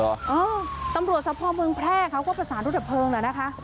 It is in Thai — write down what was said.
เออตำรวจสะพอเมืองแพร่เขาก็ประสานรถดับเพลิงแล้วนะคะ